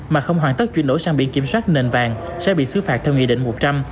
mà không hoàn tất chuyển đổi sang biển kiểm soát nền vàng sẽ bị xứ phạt theo nghị định một trăm linh